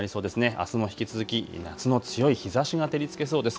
あすも引き続き夏の強い日ざしが照りつけそうです。